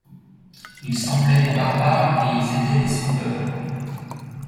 Ils semblaient des barbares et ils étaient des sauveurs.